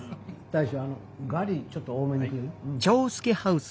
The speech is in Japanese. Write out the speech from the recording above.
大将ガリちょっと多めにくれる？